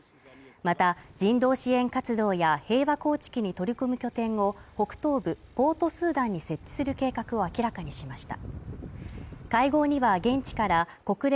また、人道支援活動や平和構築に取り組む拠点を北東部、ポートスーダンに設置する計画を明らかにしました。